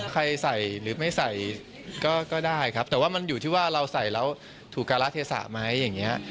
ใส่หรือไม่ใส่ก็ได้ครับแต่ว่ามันอยู่ที่ว่าเราใส่แล้วถูกการะเทศะไหมอย่างนี้